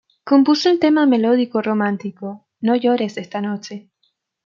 Compuso el tema melódico romántico "No llores esta noche".